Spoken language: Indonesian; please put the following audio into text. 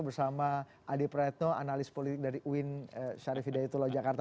bersama adi praetno analis politik dari uin syarif hidayatullah jakarta